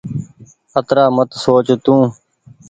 اترآ مت سوچ تو۔